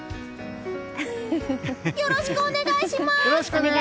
よろしくお願いします！